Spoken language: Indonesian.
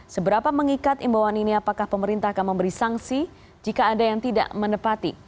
seberapa mengikat imbauan ini apakah pemerintah akan memberi sanksi jika ada yang tidak menepati